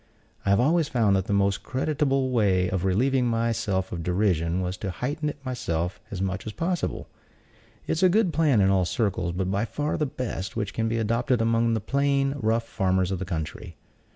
I have always found that the most creditable way of relieving myself of derision was to heighten it myself as much as possible. It is a good plan in all circles, but by far the best which can be adopted among the plain, rough farmers of the country.